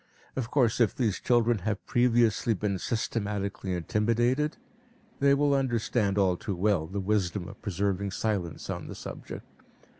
Of course, if these children have previously been systematically intimidated, they will understand all too well the wisdom of preserving silence on the subject.